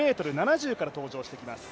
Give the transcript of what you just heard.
５ｍ７０から登場してきます。